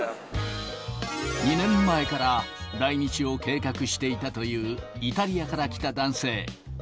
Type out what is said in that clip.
２年前から来日を計画していたというイタリアから来た男性。